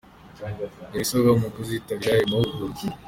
Dore ibisabwa mu kuzitabira ayo mahugurwa.